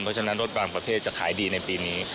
เพราะฉะนั้นรถบางประเภทจะขายดีในปีนี้